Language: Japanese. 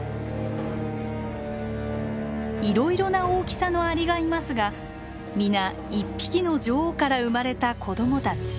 いろいろな大きさのアリがいますが皆一匹の女王から生まれた子供たち。